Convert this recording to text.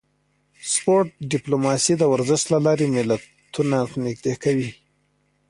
سپورت ډیپلوماسي د ورزش له لارې ملتونه نږدې کوي